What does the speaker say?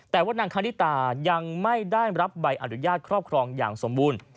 แต่ว่านางคณิตายังไม่ได้รับใบอนุญาตครอบครองอย่างสมบูรณ์